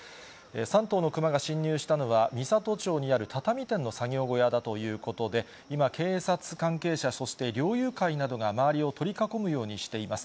３頭のクマが侵入したのは、美郷町にある畳店の作業小屋だということで、今、警察関係者、そして猟友会などが周りを取り囲むようにしています。